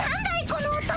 この音。